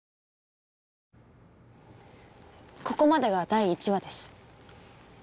ここまでが第１話です。